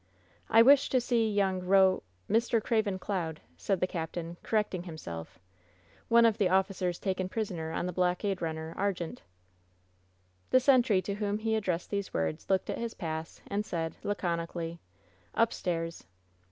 "I wish to see young Ko — ^Mr. Craven Cloud," said the captain, correcting himself — "one of the officers taken prisoner on the blockade runner Argente/* The sentry to whom he addressed these words looked at his pass, and said, laconically: "Upstairs."